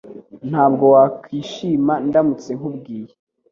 Ntabwo wakwishima ndamutse nkubwiye